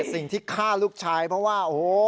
สิ่งที่ฆ่าลูกชายเพราะว่าโอ้โห